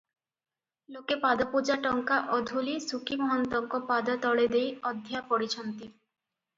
ଲୋକେ ପାଦପୂଜା ଟଙ୍କା ଅଧୂଲି ସୁକି ମହନ୍ତଙ୍କ ପାଦତଳେ ଦେଇ ଅଧ୍ୟା ପଡିଛନ୍ତି ।